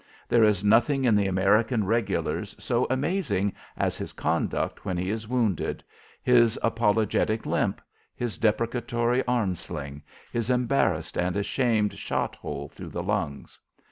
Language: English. There is nothing in the American regulars so amazing as his conduct when he is wounded his apologetic limp, his deprecatory arm sling, his embarrassed and ashamed shot hole through the lungs.